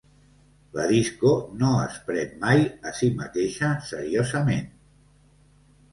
La disco no es pren mai a si mateixa seriosament.